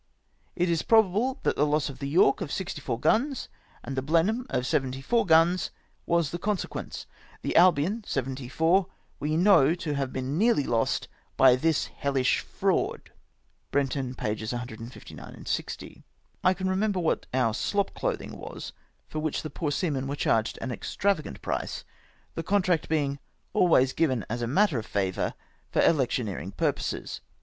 It is probable that the loss of the York of 64 guns, and the Blenheim of" 74 guns, was the consequence. The Albion, 74, we know to have been nearly lost by this hellish fraud." — (Brenton, pp. 159, 160.) " I can remember what our slop clothing was, for which the poor seamen were charged an extravagant price ; the contract being ahvays given as a matter of favour for elec tioneering purposes.''